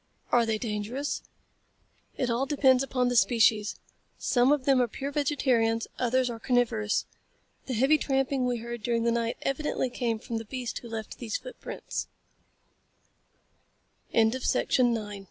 "Are they dangerous?" "It all depends upon the species. Some of them are pure vegetarians; others are carnivorous. The heavy tramping we heard during the night evidently came from the beast who left t